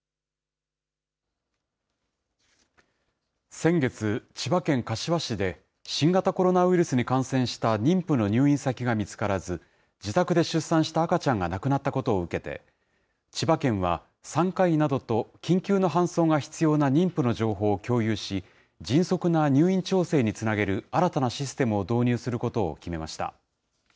先月、千葉県柏市で新型コロナウイルスに感染した妊婦の入院先が見つからず、自宅で出産した赤ちゃんが亡くなったことを受けて、千葉県は産科医などと緊急の搬送が必要な妊婦の情報を共有し、迅速な入院調整につなげる新たなシステムを導入することを決めま